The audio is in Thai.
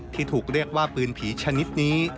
ที่ถูกเรียกว่าปืนผีชนิดนี้